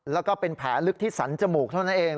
แล้วก็เป็นแผลลึกที่สรรจมูกเท่านั้นเอง